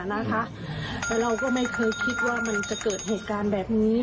แล้วเราก็ไม่เคยคิดว่ามันจะเกิดเหตุการณ์แบบนี้